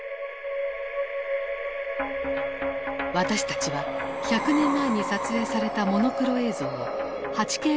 私たちは１００年前に撮影されたモノクロ映像を８Ｋ映像に高精細化